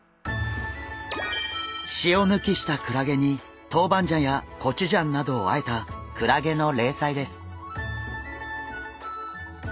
塩抜きしたクラゲにトウバンジャンやコチュジャンなどをあえたクラゲの冷菜です。